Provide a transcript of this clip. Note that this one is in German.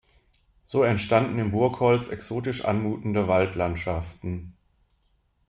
So entstanden im Burgholz exotisch anmutende Waldlandschaften.